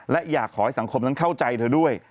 และอยากขอให้สังคมนั้นเข้าใจเธอด้วย